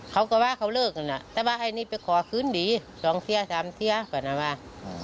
เขาก็ว่าเขาเลิกกันแต่ว่าไอ้นี่ไปขอคืนดีสองเสียสามเสียก่อนนะว่า